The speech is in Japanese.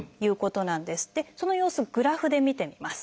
その様子をグラフで見てみます。